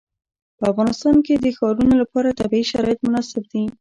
په افغانستان کې د ښارونه لپاره طبیعي شرایط مناسب دي.